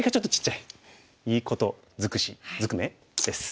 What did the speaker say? いいこと尽くし尽くめ？です。